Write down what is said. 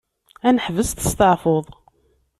Ad neḥbes testaɛfuḍ.